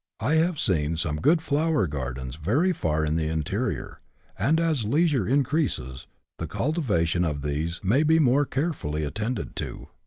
I have seen some good flower gardens very far in the interior, and, as leisure in creases, the ctiltivation of these may be more carefully attended to.